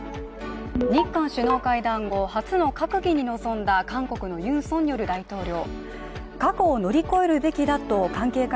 日韓首脳会談後、初の閣議に臨んだ韓国のユン・ソンニョル大統領。